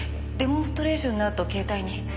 デモンストレーションのあと携帯に。